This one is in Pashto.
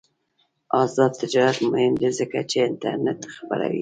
آزاد تجارت مهم دی ځکه چې انټرنیټ خپروي.